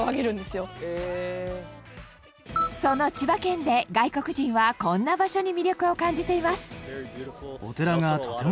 その千葉県で外国人はこんな場所に魅力を感じています。